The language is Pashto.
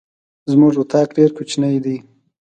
زمونږ اطاق ډير کوچنی ده.